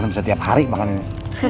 bisa tiap hari makan ini